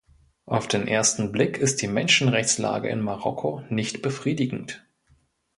Auf den ersten Blick ist die Menschenrechtslage in Marokko nicht befriedigend.